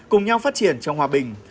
cùng nhau phát triển trong hòa bình